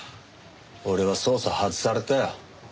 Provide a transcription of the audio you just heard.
俺は捜査を外されたよ。